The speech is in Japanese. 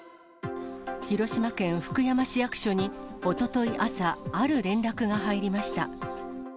広島県福山市役所に、おととい朝、ある連絡が入りました。